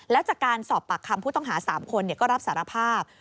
แล้วจากการสอบปากคำผู้ต้องหา๓คนก็รับสารภาพ